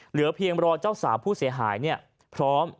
เหลือเพียงรอเจ้าสาวผู้เสียหายพร้อม